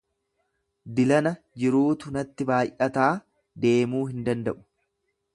Dilana jiruutu natti baay'ataa, deemuu hin danda'u.